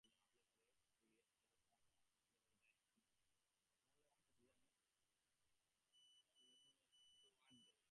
এই কুসংস্কারটা যে কী ও সেটা স্পষ্ট করে বলল না।